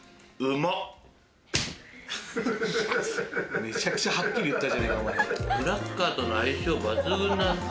めちゃくちゃはっきり言ったじゃねえか。